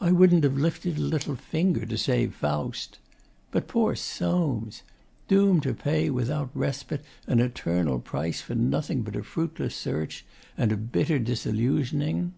I wouldn't have lifted a little finger to save Faust. But poor Soames! doomed to pay without respite an eternal price for nothing but a fruitless search and a bitter disillusioning....